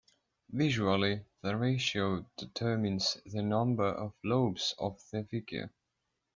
Visually, the ratio determines the number of "lobes" of the figure.